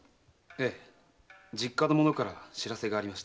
ええ実家の者から知らせがありました。